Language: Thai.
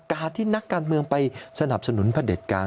ที่นักการเมืองไปสนับสนุนพระเด็จการ